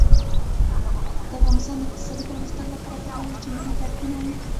د افغانستان د اقتصادي پرمختګ لپاره پکار ده چې ملي پارکونه وي.